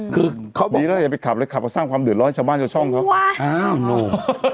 คือเขาบอกดีแล้วอย่าไปขับเลยขับก็สร้างความเดือดร้อยให้ชาวบ้านเจ้าช่องเขาว้าวอ้าวนุ่ม